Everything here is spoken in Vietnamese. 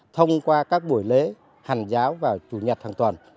thông qua các buổi lễ hành giáo vào chủ nhật hàng tuần